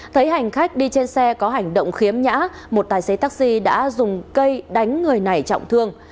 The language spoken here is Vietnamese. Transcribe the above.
thấy hành khách đi trên xe có hành động khiếm nhã một tài xế taxi đã dùng cây đánh người này trọng thương